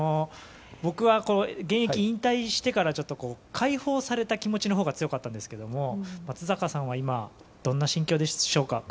僕は現役を引退してから解放された気持ちのほうが強かったんですけれども松坂さんは今どんな心境でしょうか。